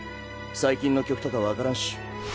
最近の曲とかわからんし。